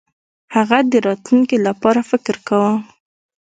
هغه د راتلونکي لپاره فکر کاوه.